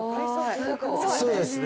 そうですね。